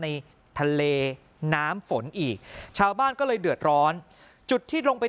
ในทะเลน้ำฝนอีกชาวบ้านก็เลยเดือดร้อนจุดที่ลงไป